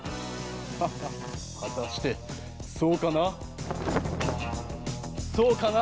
ハッハハはたしてそうかな？そうかな？